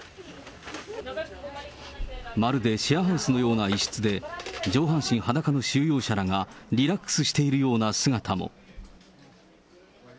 まるでシェアハウスのような一室で、上半身裸の収容者らがリラックスしているような姿も。